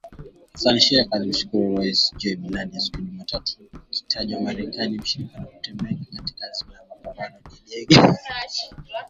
Hassan Sheikh alimshukuru Rais Joe Biden siku ya Jumanne, akiitaja Marekani “mshirika wa kutegemewa katika azma ya mapambano dhidi ya ugaidi”